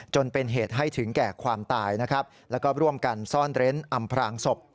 จนเป็นเหตุให้ถึงแก่ความตายนะครับแล้วก็ร่วมกันซ่อนเร้นอำพรางศพ